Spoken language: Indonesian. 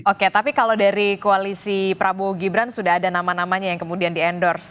oke tapi kalau dari koalisi prabowo gibran sudah ada nama namanya yang kemudian di endorse